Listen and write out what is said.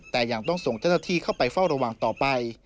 แต่ยังต้องส่งเจ้าหน้าที่เข้าไปเฝ้าระวังต่อไป